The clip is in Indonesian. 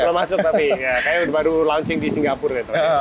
belum masuk tapi kayaknya baru launching di singapura